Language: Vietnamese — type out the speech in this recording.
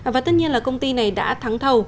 và tất nhiên là công ty này đã thắng thầu